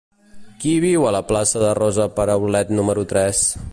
Qui viu a la plaça de Rosa Peraulet número tres?